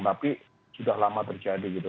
tapi sudah lama terjadi gitu